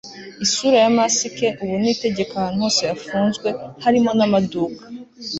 isura ya masike ubu ni itegeko ahantu hose hafunzwe, harimo n'amaduka